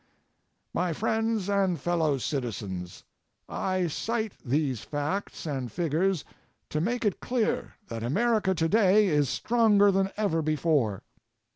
My friends and fellow citizens: I cite these facts and figures to make it clear that America today is stronger than ever before.